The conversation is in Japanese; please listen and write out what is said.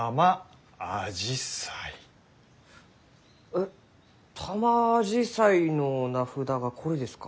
えっタマアジサイの名札がこれですか？